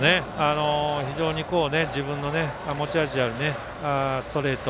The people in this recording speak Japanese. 非常に自分の持ち味であるストレート